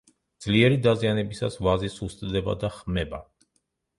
ძლიერი დაზიანებისას ვაზი სუსტდება და ხმება.